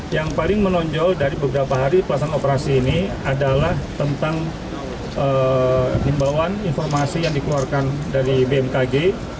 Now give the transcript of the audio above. yang paling menonjol dari beberapa hari pelaksanaan operasi ini adalah tentang himbauan informasi yang dikeluarkan dari bmkg